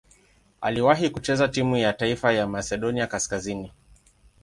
Aliwahi kucheza timu ya taifa ya Masedonia Kaskazini.